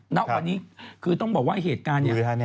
ณวันนี้คือต้องบอกว่าเหตุการณ์เนี่ย